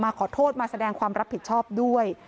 ขอโทษมาแสดงความรับผิดชอบด้วย